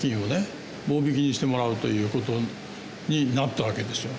棒引きにしてもらうということになったわけですよ。